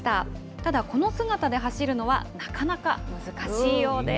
ただ、この姿で走るのはなかなか難しいようです。